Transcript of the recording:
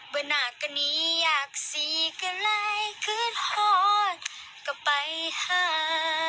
เบอร์นาตกะนี้อยากสี่ก็ไล่ขึ้นหอดก็ไปหา